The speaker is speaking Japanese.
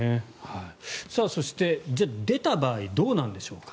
そして、出た場合どうなんでしょうか。